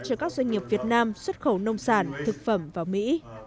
cho các doanh nghiệp việt nam xuất khẩu nông sản thực phẩm vào mỹ